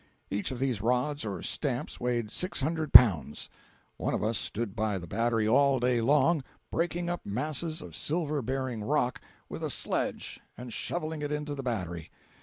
Each of these rods or stamps weighed six hundred pounds. One of us stood by the battery all day long, breaking up masses of silver bearing rock with a sledge and shoveling it into the battery.